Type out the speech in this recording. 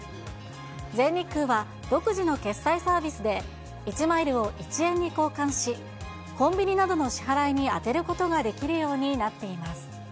全日空は独自の決済サービスで、１マイルを１円に交換し、コンビニなどの支払いに充てることができるようになっています。